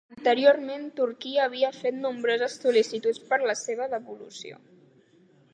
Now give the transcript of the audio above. Anteriorment, Turquia havia fet nombroses sol·licituds per a la seva devolució.